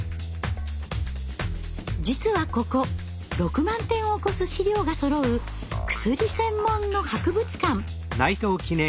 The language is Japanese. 実はここ６万点を超す資料がそろう薬専門の博物館。